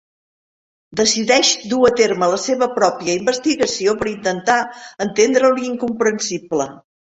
Decideix dur a terme la seva pròpia investigació per intentar entendre l'incomprensible.